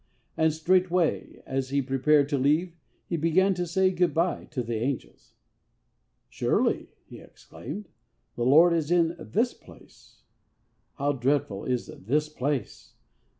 And straightway, as he prepared to leave, he began to say good bye to the angels! 'Surely,' he exclaimed, 'the Lord is in this place! How dreadful is this place!